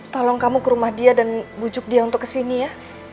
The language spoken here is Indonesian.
tolong kamu ke rumah dia dan bujuk dia untuk kesini ya